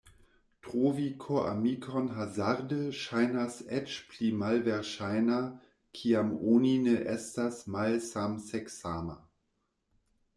Trovi koramikon hazarde ŝajnas eĉ pli malverŝajna kiam oni ne estas malsamseksama.